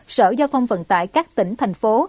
sở giao thông vận tải các tỉnh thành phố